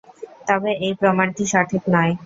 তবে এই প্রমাণটি সঠিক নয়।